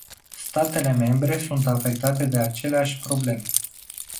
Statele membre sunt afectate de aceleași probleme.